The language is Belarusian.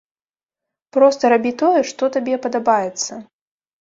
Проста рабі тое, што табе падабаецца.